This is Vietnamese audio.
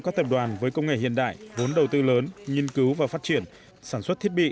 các tập đoàn với công nghệ hiện đại vốn đầu tư lớn nghiên cứu và phát triển sản xuất thiết bị